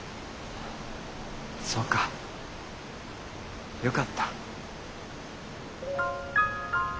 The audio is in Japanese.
そうかよかった。